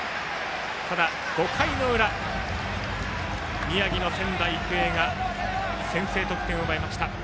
ただ、５回の裏宮城の仙台育英が先制得点を奪いました。